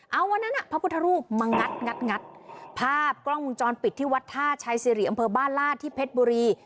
เอาวันนั้นพระพุทธรูปมางัดงัดภาพกล้องวงจรปิดที่วัดท่าชัยสิริอำเภอบ้านลาดที่เพชรบุรี